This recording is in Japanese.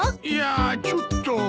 いやちょっと。